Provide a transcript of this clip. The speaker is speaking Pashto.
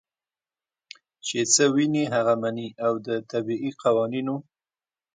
چې څۀ ويني هغه مني او د طبعي قوانینو